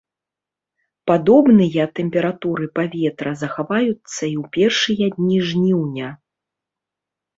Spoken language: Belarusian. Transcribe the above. Падобныя тэмпературы паветра захаваюцца і ў першыя дні жніўня.